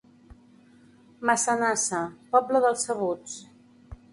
Massanassa, poble dels sabuts.